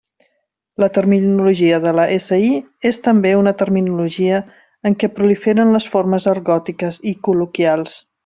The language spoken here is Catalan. La terminologia de la SI és també una terminologia en què proliferen les formes argòtiques i col·loquials.